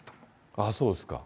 あー、そうですか。